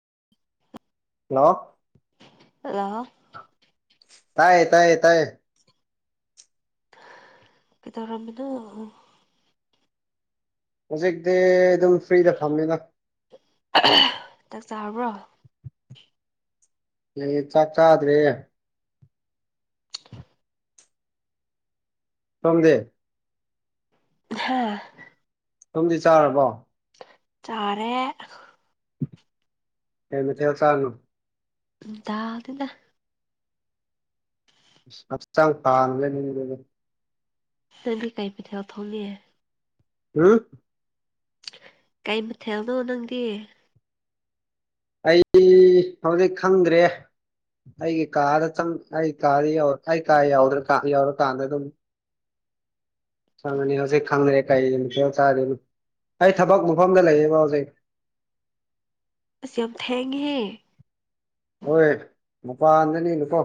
[unintelligible] hello hello ꯇꯥꯏꯌꯦ ꯇꯥꯏꯌꯦ ꯇꯥꯏꯌꯦ ꯀꯦ ꯇꯧꯔꯝꯃꯤ ꯍꯧꯖꯤꯛꯇꯤ ꯑꯗꯨꯝ ꯐ꯭ꯔꯤꯗ ꯐꯝꯅꯤꯅ ꯆꯥꯛ ꯆꯥꯔꯕ꯭ꯔꯣ ꯑꯩꯌꯦ ꯆꯥꯛ ꯆꯥꯗ꯭ꯔꯦ ꯁꯝꯗꯦ ꯍꯥꯥ ꯁꯝꯗꯤ ꯆꯥꯔꯕꯣ ꯆꯥꯔꯦ ꯇꯃꯦ ꯊ ꯆꯥꯟꯨ ꯇꯗꯅ ꯍꯛꯆꯥꯡ ꯐꯦ ꯅꯪꯗꯤ ꯀꯩ ꯄꯩꯊꯥꯎ ꯊꯣꯡꯉꯑꯦ ꯎꯝ ꯀꯩ ꯃꯊꯦꯜꯅꯣ ꯅꯪꯗꯤ ꯑꯩ ꯍꯧꯖꯤꯛ ꯈꯪꯗ꯭ꯔꯦ ꯑꯩꯒꯤ ꯀꯥꯗ ꯑꯩ ꯀꯥꯗ ꯑꯩ ꯀꯥ ꯌꯧꯔꯀꯥꯟꯗ ꯑꯗꯨꯝ ꯆꯪꯅꯤ ꯍꯧꯖꯤꯛ ꯈꯪꯗ꯭ꯔꯦ ꯀꯥꯏ ꯆꯥ ꯑꯗꯨꯅ ꯑꯩ ꯊꯕꯛ ꯃꯐꯝꯗ ꯂꯩꯌꯦꯕ ꯍꯧꯖꯤꯛ ꯑꯁ ꯌꯥꯝꯝ ꯊꯦꯡꯒ ꯍ ꯍꯣꯏ ꯃꯄꯥꯟꯗꯅꯤꯅꯨꯀꯣ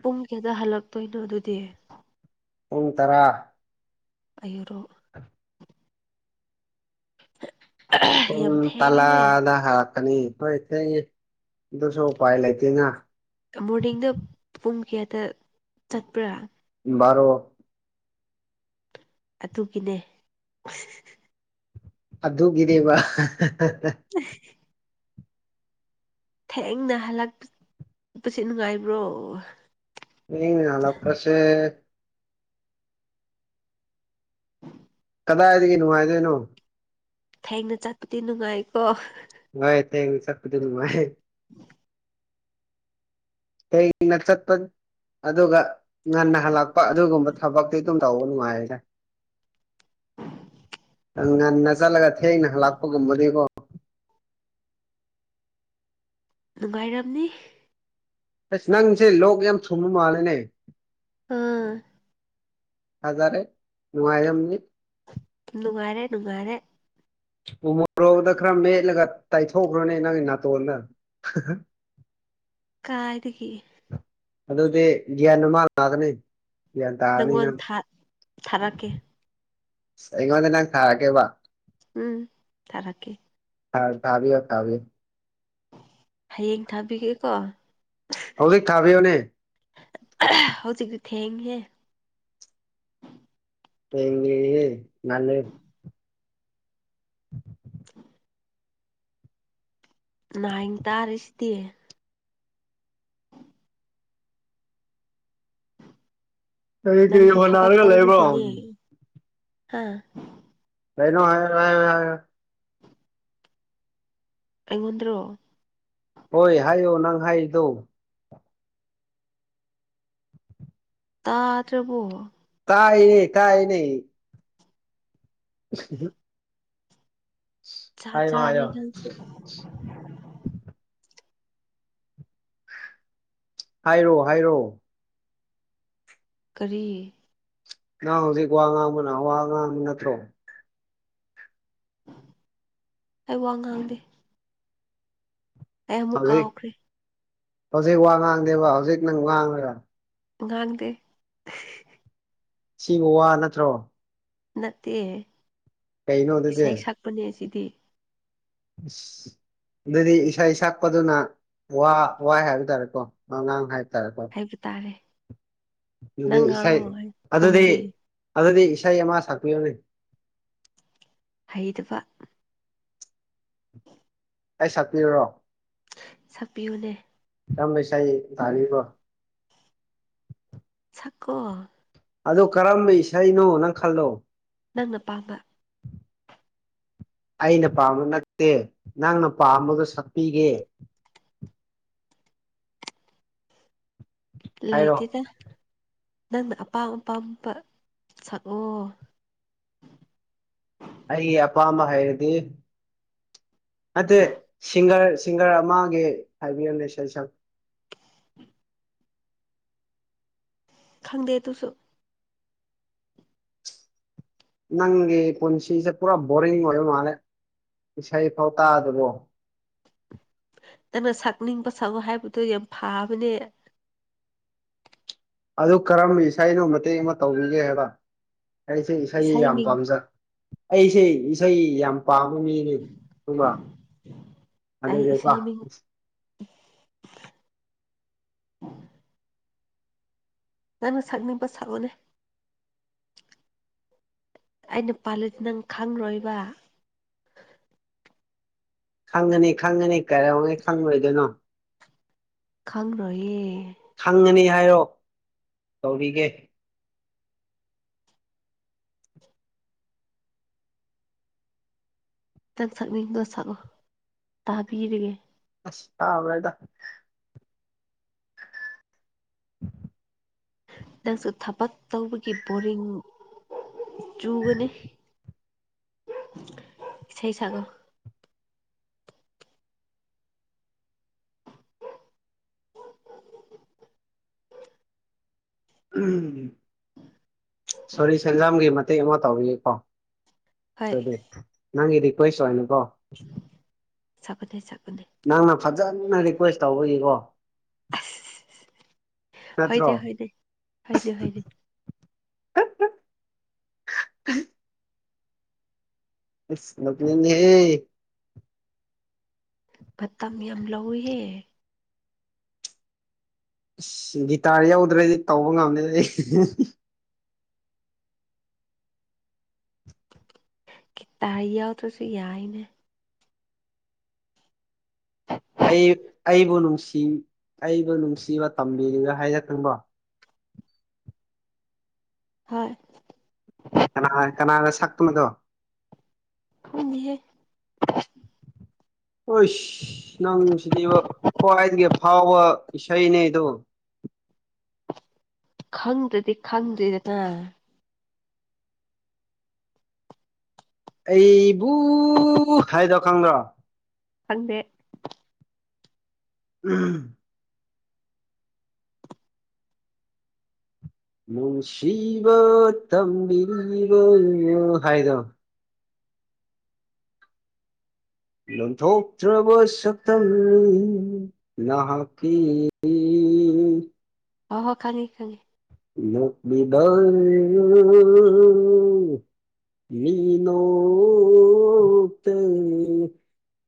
ꯄꯨꯡ ꯀꯌꯥꯗ ꯍꯜꯂꯛꯇꯣꯏꯅꯣ ꯑꯗꯨꯗꯤ ꯄꯨꯡ ꯇꯔꯥ ꯑꯌꯨꯔꯣ ꯌꯥꯝ ꯊꯦꯡꯉꯦꯍꯦ ꯇꯂꯥꯗ ꯍꯥꯔ ꯐꯅꯤ ꯐꯩ ꯊꯩ ꯑꯗꯨꯁꯨ ꯎꯄꯥꯏ ꯂꯩꯇꯦꯅ ꯃꯣꯔꯅꯤꯡꯗ ꯄꯨꯡ ꯀꯌꯥꯇ ꯆꯠꯄ꯭ꯔꯥ ꯔꯣ ꯑꯗꯨꯒꯤꯅꯦ ꯑꯗꯨꯗꯒꯗꯕ ꯎ ꯊꯦꯡꯅ ꯍꯜꯂꯛꯄꯁꯦ ꯅꯨꯡꯉꯥꯏꯕ꯭ꯔꯣ ꯍꯅꯦꯂ ꯄꯁꯦ ꯀꯗꯥꯏꯗꯒꯤ ꯣꯉꯥꯏꯗꯣꯏꯅꯣ ꯊꯦꯡꯅ ꯆꯠꯄꯗꯤ ꯅꯨꯡꯉꯥꯏꯀꯣ ꯍꯏ ꯊ ꯁ ꯑꯗꯨ ꯎ ꯍꯦꯡꯅ ꯆꯠꯄ ꯑꯗꯨꯒ ꯉꯟꯅ ꯍꯜꯂꯛꯄ ꯑꯗꯨꯒꯨꯝꯕ ꯊꯕꯛꯇꯤ ꯑꯗꯨꯝ ꯇꯅ ꯃꯥꯔꯖ ꯉꯟꯅ ꯆꯠꯂꯒ ꯊꯦꯡꯅ ꯍꯂꯛꯄꯒꯨꯝꯕꯅꯤꯀꯣ ꯅꯨꯡꯉꯥꯏꯝꯅꯤ ꯑꯁ ꯅꯪꯁꯦ ꯂꯣꯛ ꯌꯥꯝ ꯁꯨꯝꯕ ꯃꯥꯜꯂꯦꯅꯦ ꯑꯝ ꯍꯥꯖꯔꯦꯅꯤ ꯅꯨꯡꯉꯥꯏꯔꯦ ꯅꯨꯡꯉꯥꯏꯔꯦ ꯎꯃꯣꯔꯣꯛꯗ ꯈꯔ ꯃꯦꯠꯂꯒ ꯇꯥꯏꯊꯣꯛꯈ꯭ꯔꯣꯅꯦ ꯅꯪꯒꯤ ꯅꯥꯇꯣꯟꯗ [unintelligible] ꯀꯥꯏꯗꯒꯤ ꯑꯗꯨꯗꯗꯤ ꯭ꯌꯥꯟꯃꯜꯂꯗꯅꯦ ꯅꯪꯉꯣꯟ ꯊꯥꯔꯛꯀꯦ ꯑꯩꯉꯣꯟꯗ ꯅꯪ ꯊꯔꯒꯦꯕ ꯎꯝ ꯊꯔꯥꯀꯤ ꯍ ꯊꯕꯤ ꯊꯕꯤ ꯍꯌꯦꯡ ꯊꯥꯕꯤꯒꯦꯀꯣ ꯍꯧꯖꯤꯛ ꯊꯥꯕꯤꯌꯨꯅꯦ ꯍꯧꯖꯤꯛꯗꯤ ꯊꯦꯡꯦ ꯍ ꯅꯂ [unintelligible] ꯍꯥꯏ ꯇꯥꯔꯤꯁꯤꯗꯤ ꯀ ꯀꯔꯤ ꯍꯣꯟ ꯍꯥꯏꯔꯒ ꯂꯩꯕ꯭ꯔꯣ ꯍꯥꯥ ꯀꯩꯅꯩꯅꯣ ꯍꯥꯏꯌ ꯍꯥꯏ ꯍꯥꯏ ꯑꯩꯉꯣꯟꯗ꯭ꯔꯣ ꯍꯣꯏ ꯍꯥꯏꯌꯣ ꯅꯪ ꯍꯥꯏꯗꯣ ꯇꯕꯣ ꯀꯥꯏ ꯀꯥꯏꯅꯦ ꯎ ꯆꯥ ꯆꯥꯅꯤ ꯍꯥꯏꯌꯣ ꯆꯁ ꯍꯥꯏꯔꯣ ꯍꯥꯏꯔꯣꯑꯣ ꯀꯔꯤ ꯅꯪ ꯍꯧꯖꯤꯛ ꯋꯥ ꯉꯥꯡꯕꯅ ꯋꯥ ꯉꯥꯡꯕ ꯅꯠꯇ꯭ꯔꯣ ꯑꯩ ꯋꯥ ꯉꯥꯡꯗꯦ ꯍꯧꯖꯤꯛ ꯑꯦꯃꯨꯀꯥꯥꯎꯈ꯭ꯔꯔꯤ ꯍꯧꯖꯤꯛ ꯋꯥ ꯉꯥꯡꯗꯦꯕ ꯍꯧꯖꯤꯛ ꯅꯪ ꯋꯥꯥꯡꯉꯒ ꯉꯥꯛꯗ ꯁꯤꯕꯨ ꯋꯥ ꯅꯠꯇ꯭ꯔꯣ ꯅꯠꯇꯦ ꯀꯩꯅꯣ ꯏꯁꯩ ꯁꯛꯄꯅꯦ ꯁꯤꯗꯤ ꯑ ꯑꯗꯨꯗꯤ ꯏꯁꯩ ꯁꯛꯄꯗꯨꯅ ꯋꯥ ꯋꯥꯏ ꯍꯥꯏꯕ ꯇꯥꯔꯦꯀꯣ ꯑꯉꯥꯡ ꯍꯥꯏ ꯍꯥꯏꯕ ꯇꯥꯔꯦ ꯅꯪ ꯑꯗꯨꯗꯤꯥꯏ ꯉꯥꯡꯉꯣ ꯑꯩ ꯑꯗꯨꯗꯤ ꯈꯨꯝꯒꯦ ꯑꯗꯨꯗꯤ ꯏꯁꯩ ꯑꯃ ꯁꯛꯄꯤꯌꯣꯅꯤ ꯍꯩꯗꯕ ꯑꯩ ꯁꯠꯄꯤꯔꯔꯣ ꯁꯛꯄꯤꯌꯨꯅꯦ ꯌꯥꯝ ꯄꯩꯁ ꯊꯥꯅꯤꯕꯣ ꯆꯀꯣ ꯑꯗꯨ ꯀꯔꯝꯕ ꯏꯁꯩꯅꯣ ꯅꯪ ꯈꯜꯂꯣ ꯅꯪꯅ ꯄꯥꯝꯕ ꯑꯩꯅ ꯄꯥꯝꯕ ꯅꯠꯇꯦ ꯅꯪꯅ ꯄꯥꯝꯃꯒ ꯁꯛꯄꯤꯒꯦ ꯍꯥꯏꯔꯣ ꯂꯩꯥꯏꯇꯗ ꯅꯪꯅ ꯑꯄꯥꯝ ꯑꯄꯥꯝꯕ ꯁꯛꯑꯣ ꯑꯩꯒꯤ ꯑꯄꯥꯝꯕ ꯍꯥꯏꯩꯔꯗꯤ ꯅꯠꯇꯦ ꯁꯤꯡꯒꯔ ꯁꯤꯡꯒꯔ ꯑꯃꯒꯤ ꯍꯥꯏꯕꯤꯔꯝꯅꯦ ꯁ ꯁꯛ ꯎꯝ ꯈꯪꯗꯦ ꯇꯨꯁꯨ ꯅꯪꯒꯤ ꯄꯨꯟꯁꯤꯁꯦ ꯄꯨꯔꯥ ꯣꯔꯤꯡ ꯑꯣꯏ ꯃꯥꯅꯦꯦ ꯏꯁꯩꯐꯥꯎ ꯇꯥꯗꯕꯣ ꯅꯪꯩꯅ ꯁꯛꯅꯤꯡꯕ ꯁꯛꯎ ꯍꯥꯏꯕꯗꯣ ꯌꯥꯝ ꯐꯕꯅꯦ ꯑꯗꯨ ꯀꯔꯝꯕ ꯏꯁꯅꯣ ꯃꯇꯦꯛ ꯑꯃ ꯇꯧꯕꯤꯒꯦ ꯍꯥꯏꯕ ꯑꯩꯁꯦ ꯏꯁꯩ ꯌꯥꯝ ꯄꯥꯝꯖ ꯑꯩꯁꯦ ꯏꯁꯩ ꯌꯥꯝ ꯄꯥꯝꯕ ꯃꯤꯅꯤ ꯑꯗꯨꯒ ꯑꯗꯤꯀꯣ ꯎ ꯅꯪꯅ ꯁꯛꯅꯤꯡꯕ ꯁꯥꯛꯑꯣꯅꯦ ꯑꯩꯅ ꯄꯥꯂꯨꯗꯤ ꯅꯪ ꯈꯪꯉꯣꯏꯕ ꯈꯪꯉꯅꯤ ꯈꯪꯉꯅꯤ ꯀꯔꯧꯩ ꯈꯪꯉꯣꯏꯗꯣꯏꯅꯣ ꯈꯪꯔꯣ ꯈꯪꯉꯅꯤ ꯍꯥꯏꯔꯣ ꯇꯧꯔꯤꯒꯦ ꯈꯤꯇꯪ ꯁꯛꯅꯤꯡꯗꯣ ꯁꯛꯂꯣ ꯇꯥꯕꯤꯔꯒꯦ ꯥ ꯃꯕꯗ [unintelligible] ꯅꯪꯁꯨ ꯊꯕꯛ ꯇꯧꯕꯒꯤ ꯕꯣꯔꯤꯡ ꯆꯨꯒꯅꯤ ꯏꯁꯩ ꯁꯒ ꯁꯣꯔꯤ ꯁꯦꯟꯖꯥꯝꯒꯤ ꯃꯇꯦꯛ ꯑꯃ ꯇꯧꯏꯌꯦꯀꯣ ꯍꯣꯏ ꯑꯗꯨ ꯅꯪꯒꯤ ꯔꯤꯀ꯭ꯋꯦꯁ ꯍꯥꯏꯅꯀꯣ ꯁꯒꯗꯦ ꯆꯒꯨꯝ ꯅꯪꯅ ꯐꯖꯅ ꯔꯤꯀ꯭ꯋꯦꯁ ꯇꯧꯕꯒꯤꯀꯣ ꯅꯠꯇ꯭ꯔꯣ ꯍꯅꯦ ꯍꯅꯦ ꯍꯅꯦ ꯍꯅꯦ ꯃꯅꯤ ꯍꯦ ꯠꯇꯝ ꯑꯝ ꯂꯧꯎꯌꯦ ꯑꯁ ꯒꯤꯇꯥꯔ ꯌꯧꯗ꯭ꯔꯗꯤ ꯇꯧꯕ ꯉꯝꯃꯦ ꯑꯩ ꯇꯏ ꯌꯥꯎ ꯇꯁꯤ ꯌꯥꯏꯅꯦ ꯑꯩ ꯑꯩꯕꯨ ꯅꯨꯡꯁꯤ ꯑꯩꯕꯨ ꯅꯨꯡꯁꯤꯕ ꯇꯝꯕꯤꯔꯤꯉ ꯍꯥꯏꯔꯦ ꯈꯪꯕꯣ ꯍꯣꯏ ꯀꯅꯥ ꯀꯅꯥꯅ ꯁꯛꯇꯕꯗꯣ ꯎꯅꯤꯍꯦ [unintelligible] ꯍꯣꯏ ꯅꯪꯁꯤꯗꯤ ꯈ꯭ꯋꯥꯏꯗꯒꯤ ꯐꯥꯎꯕ ꯏꯁꯩꯅꯦꯗꯣ [unintelligible] ꯑꯩꯕꯨ ꯍꯥꯏꯗꯣ ꯈꯪꯗ꯭ꯔꯣ ꯐꯗꯦ ꯎꯝ ꯃꯅꯨꯡꯁꯤꯕ ꯇꯝꯕꯤꯔꯤꯕ ꯍꯥꯏꯗꯣ ꯂꯣꯟꯊꯣꯛꯇ꯭ꯔꯕ ꯁꯛꯇ ꯅ ꯀ ꯎꯝ ꯍ ꯍꯣ ꯈꯪꯉꯦ ꯈꯪꯉꯦ ꯂꯕꯤꯗ ꯌꯦ ꯅꯣ ꯇꯦ [inaudible] [unintelligible]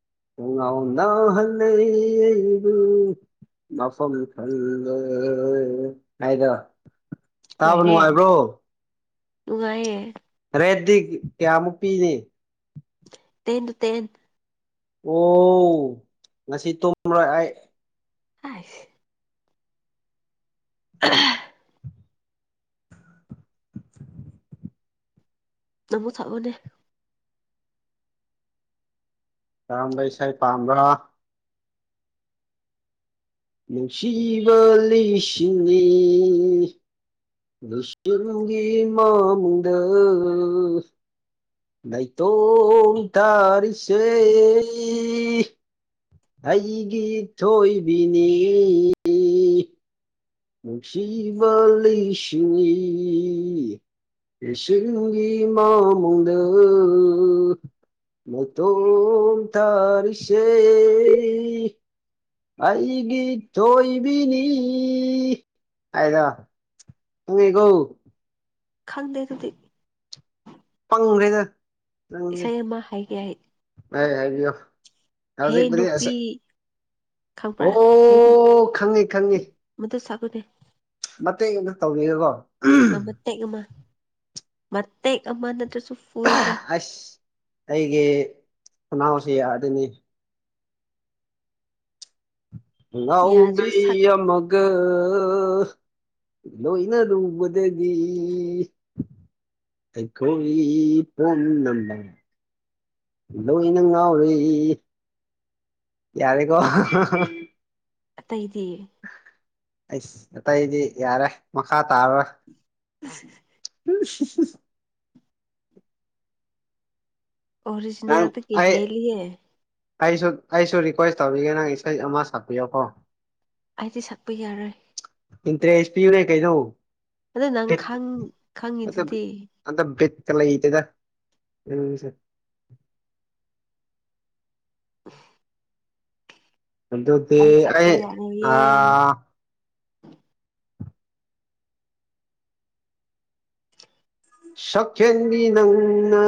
ꯎꯗ ꯍ ꯂꯩꯕꯨ ꯃꯐꯝꯝ ꯊꯪꯂ ꯀꯥꯏꯗ ꯇꯥꯕ ꯅꯨꯡꯉꯥꯏꯕ꯭ꯔꯣ ꯎꯒꯑꯦ [inaudible] ꯍꯥꯏꯦꯗꯤ ꯀꯌꯥꯃꯨꯛ ꯄꯤꯅꯦ ꯇꯗꯨ ꯇꯦꯟ ꯑꯣ ꯉꯁꯤ ꯇꯨꯝ ꯑꯁ [inaudible] [unintelligible] [unintelligible] [inaudible] ꯅꯪꯃꯨꯛ ꯊꯛꯑꯣꯅꯦ ꯀꯔꯝꯕ ꯏꯁ ꯄꯥꯝꯕ꯭ꯔꯣ ꯁꯤꯕꯂꯤꯁꯤꯅꯤ [inaudible] [unintelligible] ꯁꯤ ꯃꯥꯗ [inaudible] ꯅꯥꯢꯇꯣꯝ ꯇꯥꯔꯤꯁꯋꯦ ꯑꯩꯒꯤ ꯊꯣꯏꯕꯤꯅꯤ ꯅꯨꯡꯁꯤꯕꯥ ꯂꯤꯁꯤꯡꯅꯤ ꯂꯤꯁꯤꯡꯒꯤ ꯃꯃꯥꯡ ꯗ ꯅꯥꯏꯇꯣꯝ ꯇꯔꯤꯁꯦ ꯑꯩꯏꯒꯤ ꯊꯣꯏꯕꯤꯅꯤ ꯍꯥꯏꯗ ꯇꯨꯡ ꯍꯒꯣ [inaudible] ꯈꯪꯗꯦ ꯑꯗꯨꯗꯤ ꯐꯪꯈ꯭ꯔꯦꯗ ꯅꯪꯁꯤ ꯏꯁꯩ ꯑꯃ ꯍꯥꯏꯒꯦ ꯍꯥꯏ ꯍꯥꯏꯕꯤꯌꯣ ꯍꯦ ꯍꯧꯖꯤꯛꯄꯨꯗꯤ ꯅꯨꯄꯤ ꯑꯁ ꯈꯪꯕ꯭ꯔꯥ ꯍꯦ ꯑꯣ ꯈꯪꯉꯤ ꯈꯪꯉꯤ ꯀꯗꯤ [inaudible] ꯃꯇꯦꯡ ꯑꯃꯇ ꯇꯧꯈꯤꯀꯦꯒꯣ ꯑ ꯃꯦ ꯀꯃ ꯃꯦ ꯀꯃꯅꯠꯇ꯭ꯔꯣ ꯁꯨ [inaudible] ꯑꯁ ꯑꯩꯒꯤ ꯈꯨꯅꯥꯎꯁꯤ ꯌꯥꯗꯦꯅꯦ ꯑꯉꯥꯎꯕꯤ ꯌꯥꯗ꯭ꯔ ꯁꯛ ꯑꯃꯒ ꯀ ꯂꯣꯏꯅꯔꯨꯕꯗꯒꯤ ꯑꯩꯈꯣꯢ ꯄꯨꯝꯅꯃꯛ ꯂꯣꯏꯅ ꯉꯥꯎꯔꯦ ꯌꯥꯔꯦ ꯀꯣ ꯑꯇꯩꯗꯤ ꯑꯩꯁ ꯑꯇꯩꯗꯤ ꯌꯥꯔꯦ ꯃꯈꯥ ꯇꯥꯔꯔꯣꯏ ꯆꯁ [unintelligible] ꯅꯪ ꯑꯣꯔꯖꯤꯅꯦꯟꯗꯒꯤ ꯑꯩ ꯍꯦꯜꯂꯤꯌꯦ ꯑꯩꯁꯨ ꯑꯩꯁꯨ ꯔꯤꯀ꯭ꯋꯦꯁ ꯇꯧꯒꯦ ꯅꯪ ꯏꯁꯩ ꯑꯃ ꯁꯛꯄꯤꯌꯣꯀꯣ ꯑꯩꯗꯤ ꯁꯛꯄ ꯌꯥꯔꯣꯏ ꯄꯤꯅꯦ ꯀꯩꯗꯧ ꯑꯗꯣ ꯅꯪ ꯈꯪ ꯈꯪꯉꯤꯗꯨꯗꯤ ꯑ [inaudible] ꯂꯩꯇꯦꯗ ꯎꯝ [unintelligible] [inaudible] ꯑꯗꯨꯗꯤ ꯁꯛꯄ ꯑꯩ ꯌꯥꯔꯣꯏꯌꯦ ꯑꯥ ꯁꯥꯛꯈꯦꯟꯕꯤ ꯅꯪꯅ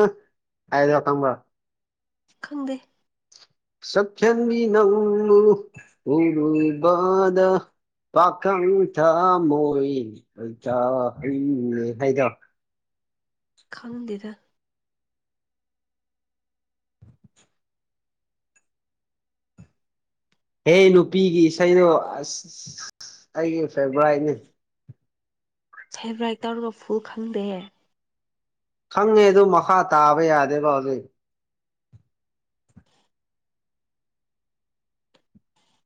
ꯍꯥꯢꯗꯣ ꯈꯪꯕꯔ꯭ꯣ ꯈꯪꯗꯦ ꯁꯥꯛꯈꯦꯟꯕꯤ ꯅꯥꯪꯕꯨ ꯎꯔꯨꯕꯗꯥ ꯄꯥꯈꯪ ꯊꯃꯣꯏ ꯍꯥꯏꯗꯣ ꯈꯪꯗꯦꯗ ꯍꯦ ꯅꯨꯄꯤꯒꯤ ꯏꯁꯩꯗꯣ ꯑꯁ ꯑꯩꯒꯤ ꯐꯦꯚꯣꯔꯥꯏꯠꯅꯤ ꯐꯦꯕ꯭ꯔꯥꯏ ꯇꯧꯔꯨꯒ ꯐꯨ ꯈꯪꯗꯦ ꯈꯪꯉꯦ ꯑꯗꯨ ꯃꯈꯥ ꯇꯥꯕ ꯌꯥꯗꯦꯕ ꯍꯧꯖꯤꯛ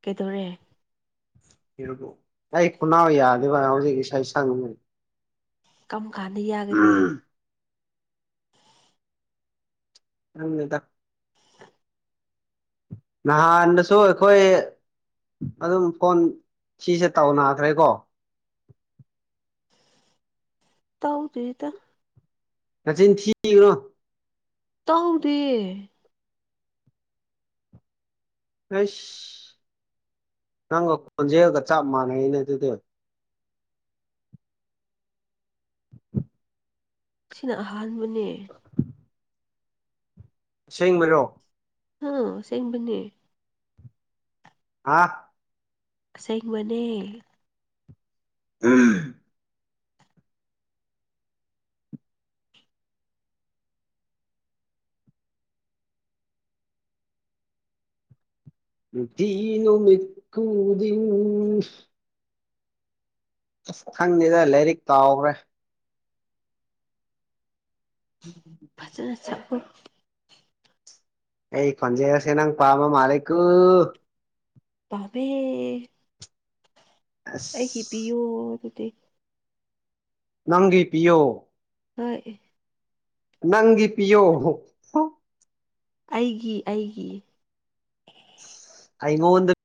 ꯀꯩꯗꯧꯔꯦ ꯑꯩ ꯈꯨꯅꯥꯎ ꯌꯥꯗꯦꯕ ꯍꯧꯖꯤꯛ ꯏꯁꯩ ꯁꯪꯉꯕꯅꯤ ꯀꯝ ꯀꯥꯟꯅ ꯌꯥꯒꯅꯤ ꯈꯪꯗꯦꯗ ꯅꯍꯥꯟꯅꯁꯨ ꯑꯩꯈꯣꯏ ꯑꯗꯨꯝ ꯐꯣꯟ ꯁꯤꯁꯦ ꯇꯧꯅꯈ꯭ꯔꯦꯀꯣ [unintelligible] ꯇꯧꯗꯦꯗ ꯅꯆꯤꯟ ꯊꯤꯀꯅꯨ ꯇꯧꯗꯦ ꯑꯩꯁ ꯅꯪꯒ ꯈꯣꯟꯖꯦꯜꯒ ꯆꯞ ꯃꯥꯟꯅꯩꯅꯦ ꯑꯗꯨꯗꯤ ꯁꯤꯅ ꯑꯍꯥꯟꯕꯅꯦ ꯑꯁꯦꯡꯕꯔꯣ ꯑꯥ ꯁꯦꯡ ꯅꯤ ꯍꯥꯥ ꯁꯦꯡ ꯃꯅꯦ ꯎꯝ ꯇꯅꯣ ꯃ ꯀꯨꯗꯤ ꯑꯁ ꯈꯪꯗꯦꯗ ꯂꯥꯏꯔꯤꯛ ꯇꯥꯎꯈ꯭ꯔꯦ ꯐꯖꯅ ꯁꯄ ꯑꯦ ꯄꯟꯖ ꯔꯁꯅꯥ ꯄꯥꯃ ꯃꯥꯂꯀ ꯄꯚ ꯑꯩꯒꯤ ꯑꯁ ꯄꯤꯌꯣ ꯑꯗꯨꯗꯤ ꯅꯪꯤ ꯄꯤꯌꯣ ꯍꯣꯏ ꯅꯪꯒꯤꯤ ꯄꯤꯌꯣ ꯑꯩꯒꯤ ꯑꯩꯒꯤ ꯀꯩꯉꯣ